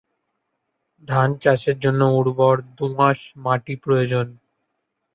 ধানচাষের জন্য উর্বর দোআঁশ মাটি প্রয়ােজন।